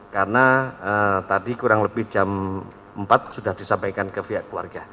karena tadi kurang lebih jam empat sudah disampaikan ke viet